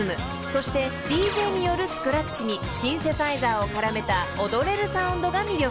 そしてＤＪによるスクラッチにシンセサイザーを絡めた踊れるサウンドが魅力］